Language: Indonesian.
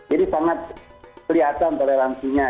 jadi sangat kelihatan toleransinya